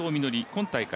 今大会